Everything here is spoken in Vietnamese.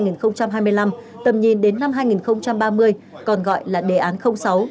năm hai nghìn hai mươi hai hai nghìn hai mươi năm tầm nhìn đến năm hai nghìn ba mươi còn gọi là đề án sáu